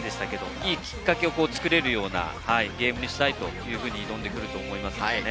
いいきっかけを作れるようなゲームにしたいというふうに挑んでくると思います。